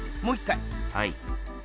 はい。